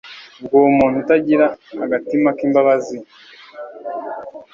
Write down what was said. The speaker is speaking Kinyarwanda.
Ubwo uwo muntu atagira agatima k’imbabazi